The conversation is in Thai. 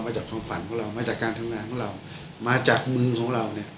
จากความฝันของเรามาจากการทำงานของเรามาจากมือของเราเนี่ย